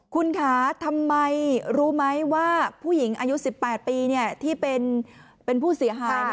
คุณคะทำไมรู้ไหมว่าผู้หญิงอายุ๑๘ปีที่เป็นผู้เสียหาย